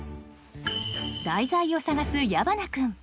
題材を探す矢花君